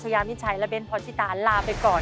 และเบ้นพอชิตาลลาไปก่อน